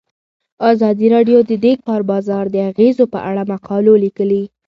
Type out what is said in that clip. ازادي راډیو د د کار بازار د اغیزو په اړه مقالو لیکلي.